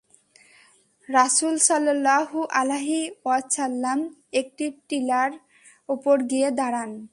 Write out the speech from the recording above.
রাসূল সাল্লাল্লাহু আলাইহি ওয়াসাল্লাম একটি টিলার উপর গিয়ে দাঁড়ান।